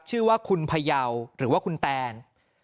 ชื่อว่าคุณพยาวหรือว่าคุณแตน